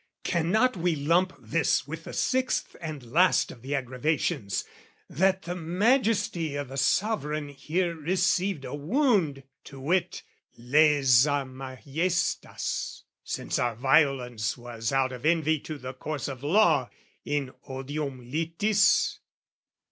Cannot we lump this with the sixth and last Of the aggravations that the Majesty O' the Sovereign here received a wound, to wit, LAesa Majestas, since our violence Was out of envy to the course of law, In odium litis?